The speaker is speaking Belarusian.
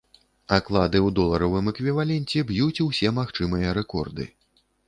Аклады ў доларавым эквіваленце б'юць усе магчымыя рэкорды.